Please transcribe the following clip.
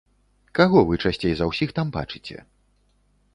Каго вы часцей за ўсіх там бачыце?